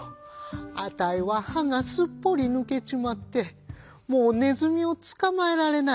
あたいははがすっぽりぬけちまってもうネズミをつかまえられない。